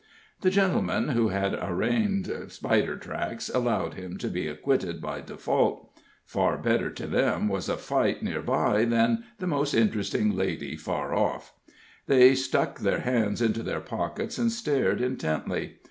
The gentlemen who had arraigned Spidertracks allowed him to be acquitted by default. Far better to them was a fight near by than the most interesting lady afar off. They stuck their hands into their pockets, and stared intently.